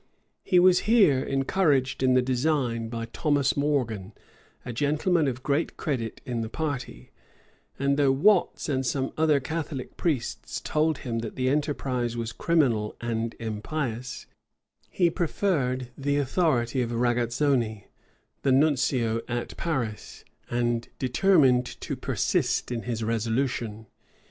He was here encouraged in the design by Thomas Morgan, a gentleman of great credit in the party; and though Watts and some other Catholic priests told him that the enterprise was criminal and impious, he preferred the authority of Raggazzoni, the nuncio at Paris, and determined to persist in his resolution.